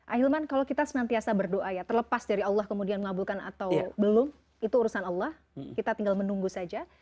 ahilman kalau kita senantiasa berdoa ya terlepas dari allah kemudian mengabulkan atau belum itu urusan allah kita tinggal menunggu saja